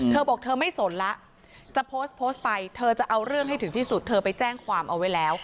เธอบอกเธอไม่สนแล้วจะโพสต์โพสต์ไปเธอจะเอาเรื่องให้ถึงที่สุดเธอไปแจ้งความเอาไว้แล้ว